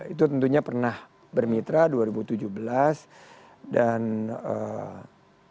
itu tentunya pernah bermitra dua ribu tujuh belas dan eee